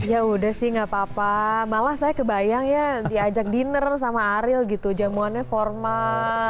ya udah sih gak apa apa malah saya kebayang ya diajak dinner sama ariel gitu jamuannya formal